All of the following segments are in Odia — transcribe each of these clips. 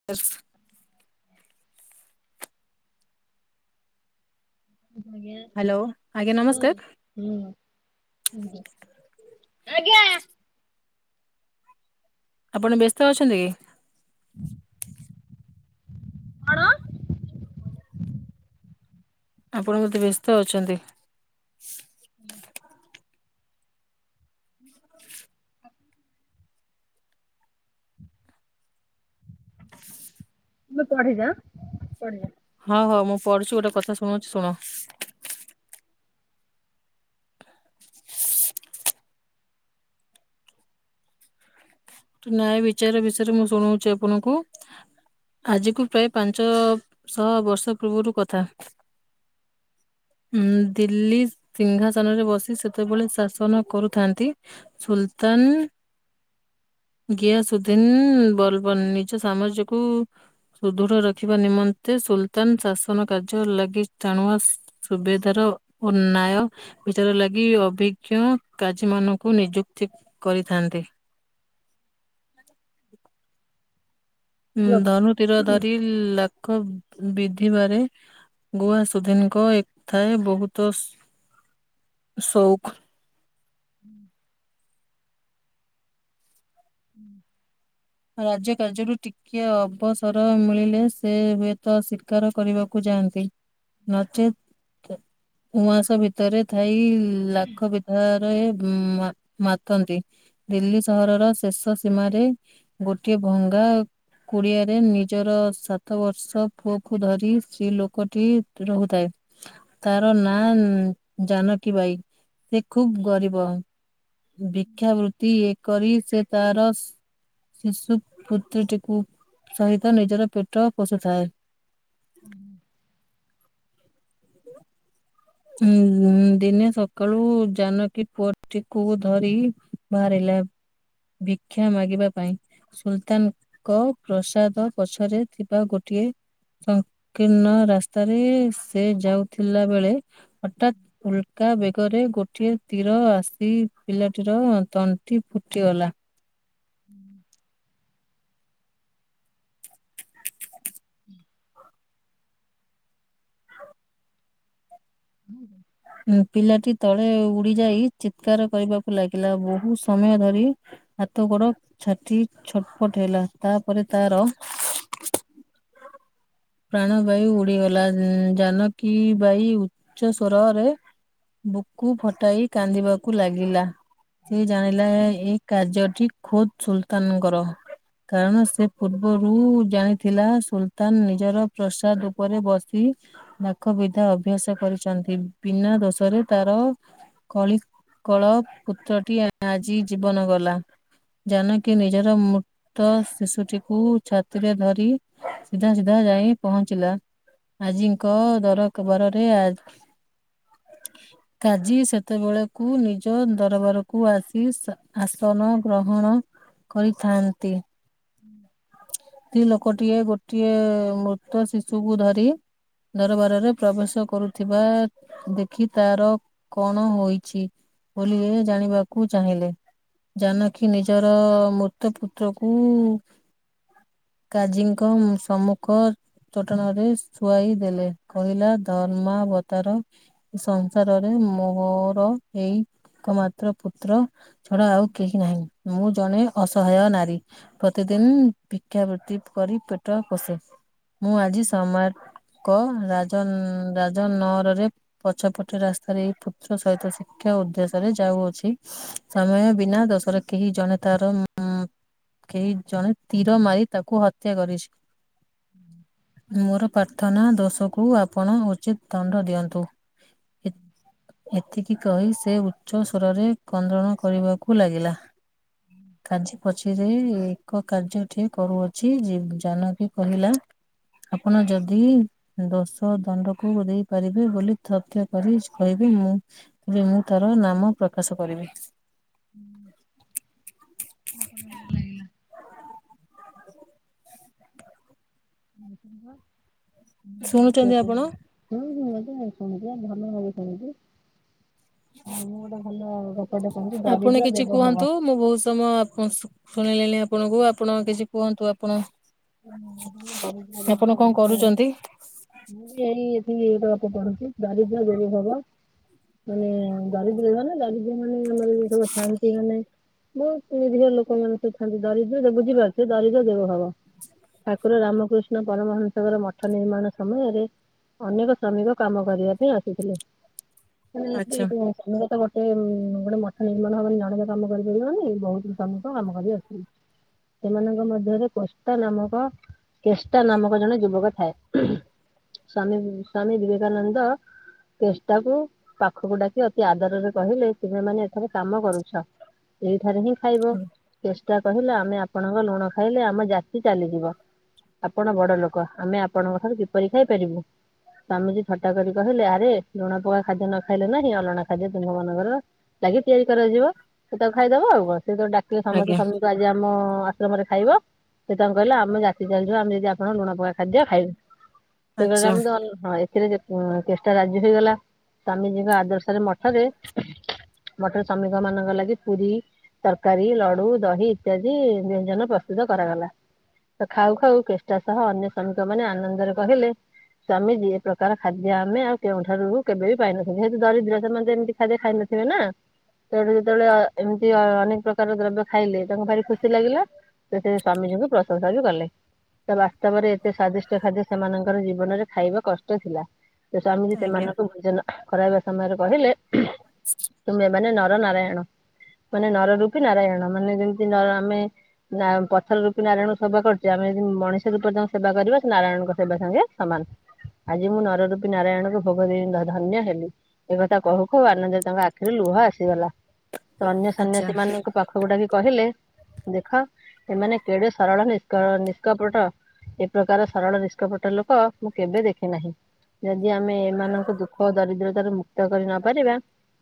[inaudible] ହ୍ୟାଲୋ ଆଜ୍ଞା [inaudible] ହୁଁ ନମସ୍କାର ଆଜ୍ଞା। ଆପଣ ବ୍ୟସ୍ତ ଅଛନ୍ତି କି? କଣ? ଆପଣ ବୋଧେ ବ୍ୟସ୍ତ ଅଛନ୍ତି। [inaudible] [inaudible] ତମେ ପଢିଯା ପଢିଯା ହଁ ହଉ ମୁଁ ପଢୁଛି ଗୋଟେ କଥା ଶୁଣଉଛି ଶୁଣ। ନ୍ୟାୟ ବିଚାର ବିଷୟରେ ମୁଁ ଶୁଣଉଛି ଆପଣଙ୍କୁ? ଆଜିକୁ ପ୍ରାୟ ପାଞ୍ଚଶହ ବର୍ଷ ପୂର୍ବରୁ କଥା। [inaudible] ଉଁ ଦିଲ୍ଲୀ ସିଂହାସନରେ ବସି ସେତେବେଳେ ଶାସନ କରୁଥାନ୍ତି। ସୁଲତାନ ଗିଆସୁଧିନ ବରବନ ନିଜ ସାମ୍ରାଜ୍ୟକୁ ସୁଦୃଢ ରଖିବା ନିମନ୍ତେ ସୁଲତାନ ଶାସନ କାର୍ଯ୍ୟ ଲାଗି ଟାଣୁଆ ସୁବେଦାର ଉନାୟ। ବିଚାର ଲାଗି ଅଭିଜ୍ଞ କାଜୀମାନଙ୍କୁ ନିଯୁକ୍ତି କରିଥାନ୍ତି। ହ [inaudible] ଉଁ ଲୋ ଧନୁ ତୀର ଧରି ଲାଖ ବିଧିବାରେ। ଗୁଆ ସୁଧିନିଙ୍କ ଏକଥାଏ ବହୁତ ସ ସଉକ। ହୁଁ [inaudible] ରାଜ୍ୟ କାର୍ଯ୍ୟରୁ ଟିକିଏ ଅବସର ମିଳିଲେ ସେ ହୁଏତ ଶିକାର କରିବାକୁ ଯାଆନ୍ତି। ନଚେତ୍ ଉଆଁସ ଭିତରେ ଥାଇ ଲାଖ ବିନ୍ଧାରେ ମା ମାତନ୍ତି ଦିଲ୍ଲୀ ସହରର ଶେଷ ସୀମାରେ ଗୋଟିଏ ଭଙ୍ଗା। କୁଡିଆରେ ନିଜର ସାତ ବର୍ଷ ପୁଅକୁୁ ଧରି ସ୍ତ୍ରୀ ଲୋକଟି ରହୁଥାଏ। ତାର ନାଁ ଉଁ ଜାନକୀ ବାଇ ସେ ଖୁବ ଗରିବ। ଭିକ୍ଷାବୃତ୍ତି ଇଏ କରି ସେ ତାରସ ଶିଶୁ ପୁତ୍ରଟିକୁ ସହିତ ନିଜର ପେଟ ପୋଷୁଥାଏ। ହୁଁ [inaudible] ହୁଁ ଉଁ ଦିନେ ସକାଳୁ ଜାନକୀ ପୁଅଟିକୁୁ ଧରି। ବାହାରିଲା ଭୀଖ୍ୟା ମାଗିବା ପାଇଁ। ସୁଲତାନ କ ପ୍ରସାଦ ପଛରେ ଥିବା ଗୋଟିଏ। ସଂକୀର୍ଣ୍ଣ ରାସ୍ତାରେ ସେ ଯାଉଥିଲା ବେଳେ। ହଟାତ୍ ଉଲକା ବେଗରେ ଗୋଟିଏ। ତୀର ଆସି ପିଲାଟିର ତଣ୍ଟି ଫୁଟିଗଲା। ହୁଁ। [inaudible] ହୁଁ ପିଲାଟି ତଳେ ଉଡି ଯାଇ ଚିତ୍କାର କରିବାକୁ ଲାଗିଲା ବହୁ ସମୟ ଧରି। ହାତ ଗୋଡ ଛାଟି ଛଟପଟ ହେଲା ତାପରେ ତାର। [inaudible] ପ୍ରାଣ ବାୟୁ ଉଡିଗଲା ଉଁ ଜାନକୀ ବାଇ ଉଚ୍ଚ ସ୍ୱରରେ। ବୁକୁ ଫଟାଇ କାନ୍ଦିବାକୁ ଲାଗିଲା। ସେ ଜାଣିଲା ଏହି କାର୍ଯ୍ୟଟି ଖୋଦ୍ ସୁଲତାନଙ୍କର। କାରଣ ସେ ପୂର୍ବରୁ ଜାଣିଥିଲା ସୁଲତାନ ନିଜର ପ୍ରସାଦ ଉପରେ ବସି। ଦାଖ ବିଧା ଅଭ୍ୟାସ କରିଛନ୍ତି ବିନା ଦୋଷରେ ତାର। କଳି କଳ ପୁତ୍ର ଟି ଆ ଆଜି ଜୀବନ ଗଲା। ଜନକୀ ନିଜର ମୃ ତ ଶିଶୁଟିକୁ ଛାତିରେ ଧରି ସିଧା ସିଧା ଯାଇ ପହଞ୍ଚିଲା। ଆଜିଙ୍କ ଦରକ ବାରରେ ଆ [inaudible] କାଜି ସେତେବେଳକୁ ନିଜ ଦରବାରକୁ ଆସି ସା ଆସନ ଗ୍ରହଣ। କରିଥାନ୍ତି। ହୁଁ ସ୍ତ୍ରୀ ଲୋକଟିଏ ଗୋଟିଏ ମୃତ ଶିଶୁ କୁ ଧରି। ଦରବାରରେ ପ୍ରବେଶ କରୁଥିବା। ଦେଖି ତାର କଣ ହୋଇଛି ବୋଲି ଏ ଜାଣିବାକୁ ଚାହିଁଲେ। ଜାନକୀ ନିଜର ମୃତ ପୁତ୍ର କୁ। କାଜିଙ୍କ ମ ସମ୍ମୁଖ। ଚଟାଣରେ ଶୁଆଇ ଦେଲେ କହିଲା ଧର୍ମାବତାର। ସଂସାରରେ ମୋହର ଏଇ ଏକ ମାତ୍ର ପୁତ୍ର। ଛଡା ଆଉ କେହି ନାହିଁ ମୁଁ ଜଣେ ଅସହାୟ ନାରୀ ପ୍ରତିଦିନ୍। ଭିକ୍ଷାବୃତ୍ତି କରି ପେଟ ପୋଷେ ମୁଁ ଆଜି ସମା କହ ରାଜନ ରାଜ ନଅରରେ। ପଛ ପଟେ ରାସ୍ତାରେ ଏଇ ପୁତ୍ର ସହିତ ଶିକ୍ଷା ଉଦ୍ଦେଶ୍ୟରେ ଯାଉଅଛି। ସମୟ ବିନା ଦଶର କେହି ଜଣେ ତାର ଉଁ-ଉଁ କେହି ଜଣେ ତୀର ମାରି ତାକୁ ହତ୍ୟା କରିଛି ମୋର ପା ଥାନା ଦୋଷକୁ ଆପଣ ଉଚିତ ଦଣ୍ଡ ଦିଅନ୍ତୁ, ଏ ଏ ଏତିକି କହି ସେ ଉଚ୍ଚ ସ୍ଵରରେ କ୍ରନ୍ଦଣ କରିବାକୁ ଲାଗିଲା। କାଞ୍ଚି ପଛେରେ ଏକ କାର୍ଯ୍ୟ ଠି କରୁଅଛି ଯି ଜାନକୀ କହିଲା। ଆପଣ ଯଦି ଦଶ୍ [inaudible] ଦଣ୍ଡକୁ ଦେଇ ପାରିବେ ବୋଲି ତଥ୍ୟ କରି କହିବି ମୁଁ। ତେବେ ମୁଁ ତାର ନାମ ପ୍ରକାଶ କରିବି। ହୁଁ [inaudible] ପଣେ ଭଲ ଲାଗିଲା। ତୁମେ ଶୁଣିବ, ମୁଁ ଗୋଟେ ବିଷୟ ଶୁଣୁଛନ୍ତି ଆପଣ? କହିବି। ହୁଁ ହୁଁ, [inaudible] ଭଲ ଭାବେ ଶୁଣିବି। ଆଉ ମୁଁ ଗୋଟେ ଭଲ ଗପଟେ କହୁଛି, ଆପଣ ଦରିଦ୍ର କିଛି ଦେବ କୁହନ୍ତୁ ଭାବ। ମୁଁ ବହୁତ ସମୟ ଆପଣ ଶୁଣେଇଲି ଆପଣଙ୍କୁ ଆପଣ କିଛି କୁହନ୍ତୁ ଆପଣ। ଆପଣ କଣ କରୁଛନ୍ତି? [unintelligible] ମୁଁ ଏଇ ଏଠିକି ଏଇ [inaudible] ପଢୁଛି ଦରିଦ୍ର ଦେବୀ ଭାବ। ମାନେ ଦରିଦ୍ରମାନେ ଦରିଦ୍ରମାନେ ଆମର ସବୁ ଥାଆନ୍ତି ମାନେ ବହୁ [inaudible] ଲୋକମାନେ ସବୁ ଥାନ୍ତି ଦରିଦ୍ର [inaudible] ବୁଝିପାରୁଥିବେ ଦରିଦ୍ର ଦେବ ଭାବ। ଠାକୁର ରାମକୃଷ୍ଣ ପରମହଂସଙ୍କର ମଠ ନିର୍ମାଣ ସମୟରେ ଅନେକ ଶ୍ରମିକ କାମ କରିବା ପାଇଁ ଆସିଥିଲେ। ଆଚ୍ଛା [inaudible] ତମର ତ ଗୋଟେ ଉଁ-ଉଁ ଗୋଟେ ମଠ ନିର୍ମାଣ ହବ ନି, ଜଣେ ତ କାମ କରିପାରିବନି ବହୁତ ଶ୍ରମିକ କାମ କରିବେ ଆସିକି। ସେମାନଙ୍କ ମଧ୍ୟରେ କଷ୍ [unintelligible] ନାମକ, କେଷ୍ଟ ନାମକ ଜଣେ ଯୁବକ ଥାଏ। ସ୍ଵାମୀ, ସ୍ଵାମୀ ବିବେକାନନ୍ଦ କେଷ୍ଟକୁ ପାଖକୁ ଡାକି ଅତି ଆଦରରେ କହିଲେ ତୁମେମାନେ ଏଥର କାମ କରୁଛ। ଏଇଠାରେ ହିଁ ଖାଇବ, କେଷ୍ଟ କହିଲେ ଆମେ ଆପଣଙ୍କ ଲୁଣ ଖାଇଲେ ଆମ ଜା ଜାତି ଚାଲିଯିବ, ଆପଣ ବଡ ଲୋକ ଆମେ ଆପଣଙ୍କଠାରୁ କିପରି ଖାଇପାରିବୁ? ସ୍ୱାମୀଜୀ ଥଟ୍ଟା କରି କହିଲେ ଆରେ ଲୁଣପକା ଖାଦ୍ୟ ନ ଖାଇଲେ ନାହିଁ ଅଲଣା ଖାଦ୍ୟ ତୁମାନଙ୍କର। ଲାଗି ତିଆରି କରାଯିବ, ସେ ତାକୁ ଖାଇଦବ ଆଉ କଣ, ସେ [unintelligible] ଡାକିଲେ ସମସ୍ତେ ଆଜ୍ଞା। ସମି ତ ଆଜି ଆମ ଆଶ୍ରମରେ ଖାଇବ। ସେ ତାଙ୍କ କହିଲେ ଆମ ଜାତି ଚାଲିଯିବ ଆମେ ଯଦି ଆପଣଙ୍କ ଲୁଣ ପକା ଖାଦ୍ୟ ଖାଇବୁ, ସେ କହିଲେ‌ ଆଚ୍ଛା ଆମେ ତ‌ ଅଲ୍ ହଁ ଏ ଏଥିରେ କେଷ୍ଟ ରାଜି ହେଇଗଲା ସ୍ଵାମୀଜୀଙ୍କ ଆଦର୍ଶରେ ମଠରେ ମଠରେ ଶ୍ରମିକମାନଙ୍କ ଲାଗି ପୁରି ତରକାରୀ, ଲଡୁ, ଦହି ଇତ୍ୟାଦି ବ୍ୟଞ୍ଜନ ପ୍ରସ୍ତୁତ କରାଗଲା। ତ ଖାଉ ଖାଉ କେଷ୍ଟ ସହ ଅନ୍ୟ ଶ୍ରମିକମାନେ ଆନନ୍ଦରେ କହିଲେ ସ୍ୱାମୀଜୀ, ଏ ପ୍ରକାର ଖାଦ୍ୟ ଆମେ ଆଉ କେଉଁଠାରୁ ବି କେବେ ବି ପାଇ ନଥିଲୁ ଯେହେତୁ ଦରିଦ୍ର ସେମାନେ ତ ଏମିତି ଖାଦ୍ୟ ଖାଇ ନଥିବେ ନା। ତ ଏଠି ଯେତେବେଳେ ଏମିତି ଅନେକ ପ୍ରକାର ଦ୍ରବ୍ୟ ଖାଇଲେ ତାଙ୍କୁ ଭାରି ଖୁସି ଲାଗିଲା। ‌ ସେ ଟିକେ ସ୍ଵାମୀଜୀଙ୍କୁ ପ୍ରଶଂସା ବି କଲେ। ତ ବାସ୍ତବରେ ଏତେ ସ୍ଵାଦିଷ୍ଟ ଖାଦ୍ୟ ସେମାନଙ୍କର ଜୀବନରେ ଖାଇବା କଷ୍ଟ ଥିଲା। ତ ସ୍ଵାମୀଜୀ ଆଜ୍ଞା ସେମାନଙ୍କୁ ଭୋଜନ କରାଇବା ସମୟରେ କହିଲେ ତୁମେ ମାନେ ନର ନାରାୟଣ। ମାନେ ନର ରୂପୀ ନାରାୟଣ ମାନେ ଯେମିତି ନ ଆମେ ନା ପଥର ରୂପ୍ [unintelligible] ନାରାୟଣଙ୍କ ସେବା କରୁଛୁ ଆମେ ଯଦି ମଣିଷ ଯେପର୍ଯ୍ୟନ୍ତ ସେବା କରିବ ସେ ନାରାୟଣଙ୍କ ସେବା ସାଙ୍ଗେ ସମାନ। ଆଜି ମୁଁ ନର ରୂପୀ ନାରାୟଣକୁ ଭୋଗ ଦେଇ ଧନ୍ୟ ହେଲି। ଏ କଥା କହୁ କହୁ ଆନନ୍ଦରେ ତାଙ୍କ ଆଖିରୁ ଲୁହ ଆସିଗଲା। ତ ଅନ୍ୟ ଆଚ୍ଛା ସନ୍ୟାସୀମାନଙ୍କୁ ପାଖକୁ ଡାକି କହିଲେ ଦେଖ ଏମାନେ କେଡେ ସରଳ ନିଷ୍କ ନିଷ୍କପଟ। ଏ ପ୍ରକାର ସରଳ ନିଷ୍କପଟ ଲୋକ ମୁଁ କେବେ ଦେଖି ନାହିଁ। ଯଦି ଆମେ ଏମାନଙ୍କ ଦୁଃଖ ଓ ଦରିଦ୍ରତାରୁ ମୁକ୍ତ କରି ନ ପାରିବା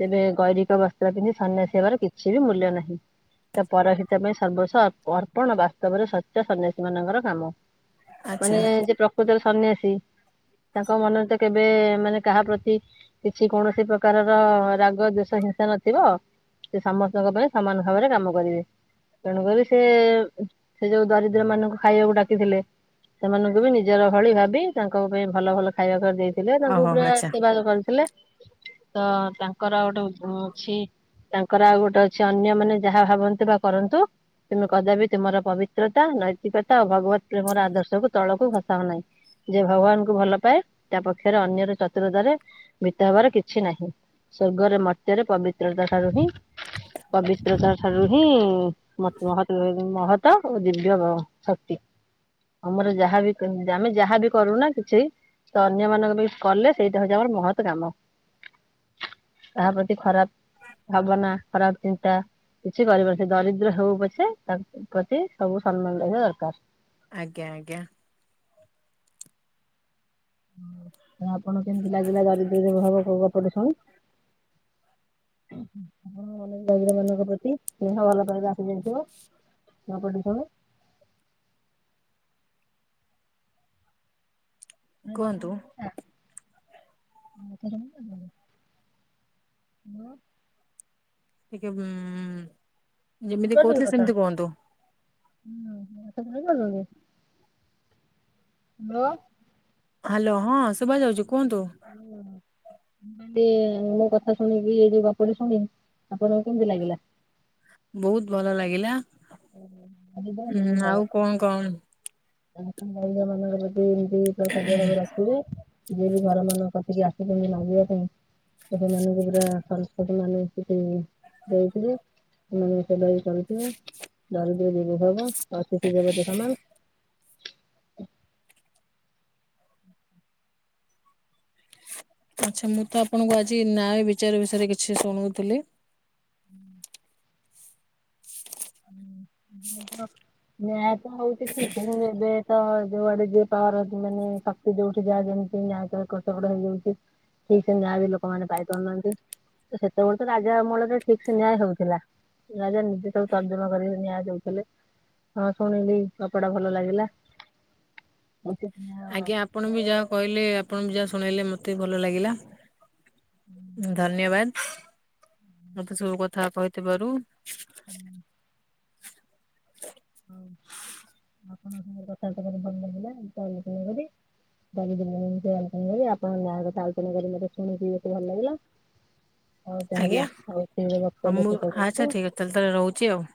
ତେବେ ଗୈରିକ ବସ୍ତ୍ର ପିନ୍ଧି ସନ୍ନ୍ୟାସୀ ହେବାର କିଛି ବି ମୂଲ୍ୟ ନାହିଁ। ତ ପର ହିତ ପାଇଁ ସର୍ବସ ପର ପଣ ବାସ୍ତବରେ ସତ୍ୟ ସନ୍ନ୍ୟାସୀ ମାନଙ୍କର କାମ ଆଚ୍ଛା ମାନେ ଯେ ପ୍ର କୃତରେ ସନ୍ୟାସୀ ତାଙ୍କ ମନରେ ତ କେବେ ମାନେ କାହା ପ୍ରତି କିଛି କୌଣସି ପ୍ରକାରର ରାଗ ଦୋଷ ହିଂସା ନଥିବ ସେ ସମସ୍ତଙ୍କ ପାଇଁ ସମାନ ଭାବରେ କାମ କରିବେ ତେଣୁକରି ସେ ସେ ଯୋଉ ଦରିଦ୍ର୍ ମାନଙ୍କୁ ଖାଇଆକୁ ଡାକିଥିଲେ ସେମାନଙ୍କୁ ବି ନିଜର ଭଳି ଭାବି ତାଙ୍କ ପାଇଁ ଭଲ ଭଲ ଖାଇବାକୁ କରି ଦେଇଥିଲେ ତାଙ୍କୁ ଓହୋ ପୁରା ଆଚ୍ଛା ଆଶୀର୍ବାଦ କରିଥିଲେ। ତ ତାଙ୍କର ଆଓଟେ ଉ ଉଁ ଅଛି। ତାଙ୍କର ଆଉ ଗୋଟେ ଅଛି ଅନ୍ୟମାନେ ଯାହା ଭାବନ୍ତୁ ବା କରନ୍ତୁ ତୁମେ କଦାପି ତୁମର ପବିତ୍ରତା ନୈତିକତା ଓ ଭଗବତ୍ ପ୍ରେମର ଆଦର୍ଶକୁ ତଳକୁ ଖସାଅ ନାହିଁ। ଯେ ଭଗବାନଙ୍କୁ ଭଲ ପାଏ ତା ପକ୍ଷରେ ଅନ୍ୟର ଚତୁରତାରେ ଭୀତ ହବାର କିଛି ନାହିଁ। ସ୍ଵର୍ଗରେ ମର୍ତ୍ତ୍ୟରେ ପବିତ୍ରତା ଠାରୁ ହିଁ ପବିିତ୍ରତାର ଠାରୁ ହିଁ ମତ୍ ମହତ୍ ବ୍ ମହତ ଓ ଦିବ୍ୟ ବ ଶକ୍ତି। ଆମର ଯାହାବି କ ଆମେ ଯାହାବି କରୁନା କିଛି ତ ଅନ୍ୟମାନଙ୍କ ପାଇଁ କଲେ ସେଇଟା ହଉଚି ଆମର ମହତ କାମ। କା ପ୍ରତି ଖରାପ-୍- ଭାବନା ଖରାପ ଚିନ୍ତା କିଛି କରିପାରୁ ସେ ଦରିଦ୍ର ହଉ ପଛେ ତାଙ୍କ ପ୍ରତି ସବୁ ସମ୍ମାନ ରହିବା ଦରକାର। ଆଜ୍ଞା ଆଜ୍ଞା। ତ ଆପଣ କେମିତି ଲାଗିଲା ଦରିଦ୍ର ବଭ ହବ ପ୍ରବଚନ ଶୁଣି? ହଁ ଆପଣଙ୍କ ମନ ଦରିଦ୍ର ମାନଙ୍କ ପ୍ରତି ସ୍ନେହ ଭଲ ପାଇବା ଆସି ଯାଇଥିବ। ଗପଟି ଶୁଣି। କୁହନ୍ତୁ [unintelligible] [unintelligible] ଟିକେ ହୁଁ [unintelligible] ହାଲୋ। ହାଲୋ ହଁ ସୁଭା ଯାଉଚି କୁହନ୍ତୁ। ମୁଁ କଲି ମୋ କଥା ଶୁଣିକି ଏଇ ଯୋଉ ଗପୁଟି ଶୁଣି ଆପଣଙ୍କୁ କେମିତି ଲାଗିଲା? ବହୁତ୍ ଭଲ ଲାଗିଲା ଦରିଦ୍ର ଉଁ ଦେବଭାବ ଆଉ କଁ କଣ୍ [unintelligible] [unintelligible] ଯିଏ ବି ଘର ମାନଙ୍କ କତିିକି ଆସୂଛନ୍ତି ମାଗିବା ପାଇଁ [unintelligible] [unintelligible] [inaudible] ଆଚ୍ଛା ମୁଁ ତ ଆପଣଙ୍କୁ ଆଜି ନ୍ୟାୟ ବିଚାର ବିଷୟରେ କିଛି ଶୁଣଉଥିଲି। ହୁଁ। [inaudible] [unintelligible] ନ୍ୟାୟ ହଉଚି ଠିକ୍ ସେ ଏବେ ଏବେ ତ ଯୋଉଆଡେ ଯିଏ ପାୱାର ଅର୍ଜୀ ଲେଣି ତ ସେ ଯୋଉଠି ଯାହା ଯେମିତି ନ୍ୟାୟ ତ ଏପଟ ସେପଟ ହେଇଯାଉଚି ଠିକ୍ ସେ ନ୍ୟାୟ ବି ଲୋକମାନେେ ପାଇ ପାରୁନାହାନ୍ତି। ସେତେବେଳେ ତ ରାଜା ଅମଳରେ ଠିକ୍ ସେ ନ୍ୟାୟ ହଉଥିଲା ରାଜା ନିଜେ ସବୁ ତର୍ଜମା କରିକି ନ୍ୟାୟ ଦଉଥିଲେ ହଁ ଶୁଣିଲି ଗପଟା ଭଲ ଲାଗିଲା। ଆଛା। ଆଜ୍ଞା ଆପଣ ବି ଯାହା କହିଲେ ଆପଣ ବି ଯାହା ଶୁଣେଇଲେ ମତେ ବି ଭଲ ଲାଗିଲା। ଧନ୍ୟବାଦ୍ ମତେ ସବୁ କଥା କହିଥିବାରୁ। ହୁଁ। [inaudible] ଆପଣଙ୍କ ସାଙ୍ଗରେ କଥାବାର୍ତ୍ତା କରି ଭଲ ଲାଗିଲା, ଏତେ ଆଲୋଚନାକରି। [inaudible] ଆପଣ ନ୍ୟାୟ କଥା ଆଲଚନା କରି ମତେ ଶୁଣିକି ଏତେ ଭଲ ଲାଗିଲା। [inaudible] ହଉ ତାହେଲେ ଆଜ୍ଞା ହଉ ହଁ ସେତ ମୁଁ ସେଟାକୁ ଆଚ୍ଛା [unintelligible] ଠିକ ତାହେଲେ ତାର ରହୁଛି ଆଉ